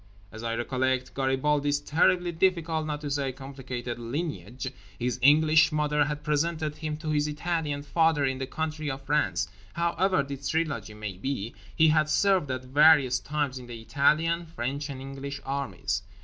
As I recollect Garibaldi's terribly difficult, not to say complicated, lineage, his English mother had presented him to his Italian father in the country of France. However this trilogy may be, he had served at various times in the Italian, French and English armies.